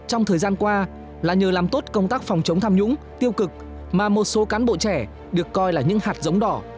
trong thời gian qua là nhờ làm tốt công tác phòng chống tham nhũng tiêu cực mà một số cán bộ trẻ được coi là những hạt giống đỏ